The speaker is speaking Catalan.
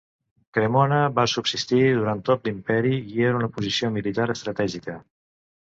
Cremona va subsistir durant tot l'imperi, i era una posició militar estratègica.